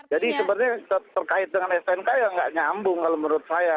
jadi sebenarnya terkait dengan snk ya nggak nyambung kalau menurut saya